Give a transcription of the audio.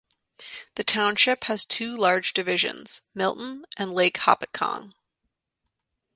The township has two large divisions, Milton and Lake Hopatcong.